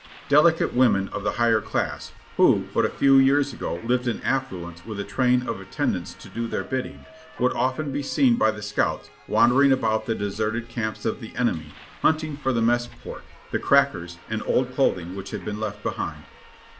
Delicate women of the higher class, who but a few years ago lived in affluence with a train of attendants to do their bid ding, would often be seen by the scouts wandering about the deserted camps of the enemy hunting for the mess pork, the crackers and old clothing which had been left behind.